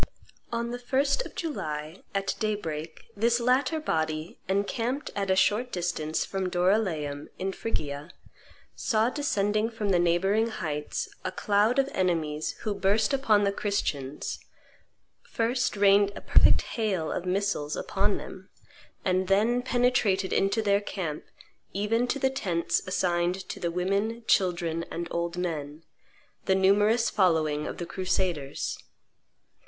On the 1st of July, at daybreak, this latter body, encamped at a short distance from Doryleum, in Phrygia, saw descending from the neighboring heights a cloud of enemies who burst upon the Christians, first rained a perfect hail of missiles upon them, and then penetrated into their camp, even to the tents assigned to the women, children, and old men, the numerous following of the crusaders.